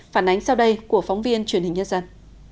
phản ánh sau đây của phóng viên truyền hình nhân dân